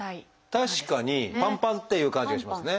確かにパンパンっていう感じがしますね。